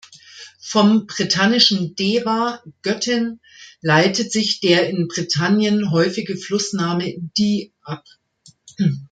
Vom britannischen "deva" „Göttin“ leitet sich der in Britannien häufige Flussname "Dee" ab.